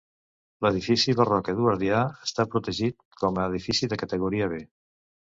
L'edifici barroc eduardià està protegit com a edifici de categoria B.